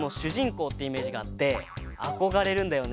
こうっていうイメージがあってあこがれるんだよね。